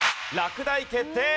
落第決定！